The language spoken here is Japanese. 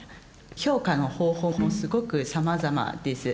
評価の方法もすごくさまざまです。